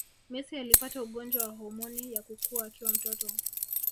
Messi alipata ugonjwa wa homoni ya kukua akiwa mtoto